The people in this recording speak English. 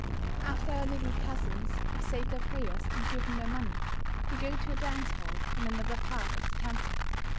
After our little cousins have said their prayers and given their money, they go to a dance hall in another part of the temple.